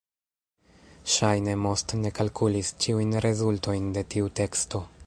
Ŝajne Most ne kalkulis ĉiujn rezultojn de tiu teksto.